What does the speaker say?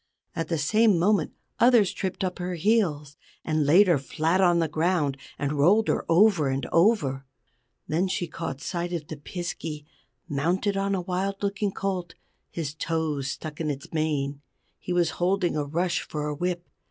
At the same moment others tripped up her heels, and laid her flat on the ground, and rolled her over and over. Then she caught sight of the Piskey mounted on a wild looking colt, his toes stuck in its mane. He was holding a rush for a whip.